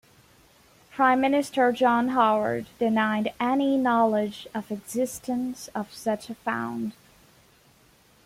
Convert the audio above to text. Prime Minister John Howard denied any knowledge of existence of such a fund.